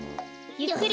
ゆっくり。